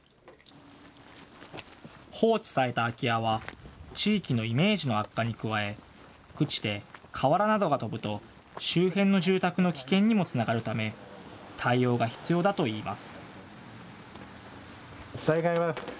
放置された空き家は、地域のイメージの悪化に加え、朽ちて瓦などが飛ぶと、周辺の住宅の危険にもつながるため、対応が必要だといいます。